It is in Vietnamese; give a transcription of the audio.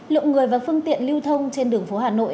lượng người và phương tiện lưu thông trên đường phố hà nội